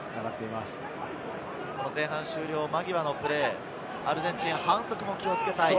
前半終了間際のプレー、アルゼンチンは反則も気をつけたい。